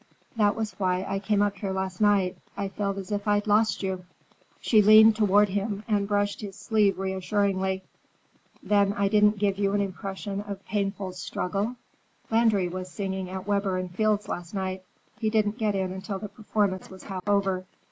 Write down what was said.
That was why I came up here last night. I felt as if I'd lost you." She leaned toward him and brushed his sleeve reassuringly. "Then I didn't give you an impression of painful struggle? Landry was singing at Weber and Fields' last night. He didn't get in until the performance was half over.